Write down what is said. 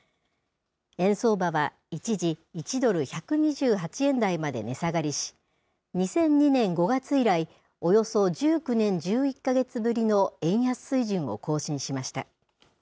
円相場は一時１ドル１２８円台まで値下がりし、２００２年５月以来、およそ１９年１１か月ぶりの円安水準を更新しました。